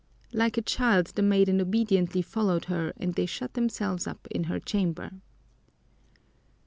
Like a child the maiden obediently followed her and they shut themselves up in her chamber.